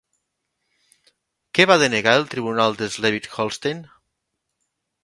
Què va denegar el tribunal de Slesvig-Holstein?